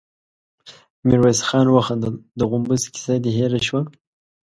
ميرويس خان وخندل: د غومبسې کيسه دې هېره شوه؟